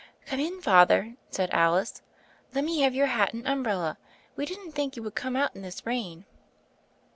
"Come in, Father," said Alice. "Let me have your hat and umbrella. We didn't think you would come out in this rain.'